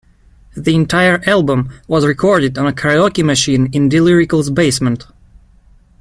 The entire album was recorded on a karaoke machine in D-Lyrical's basement.